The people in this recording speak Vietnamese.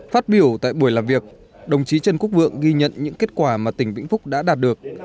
phát biểu tại buổi làm việc đồng chí trần quốc vượng ghi nhận những kết quả mà tỉnh vĩnh phúc đã đạt được